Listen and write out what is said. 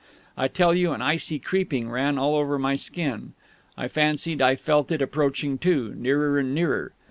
I tell you, an icy creeping ran all over my skin. I fancied I felt it approaching too, nearer and nearer....